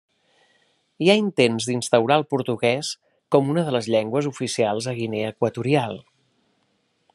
Hi ha intents d'instaurar el portuguès com una de les llengües oficials a Guinea Equatorial.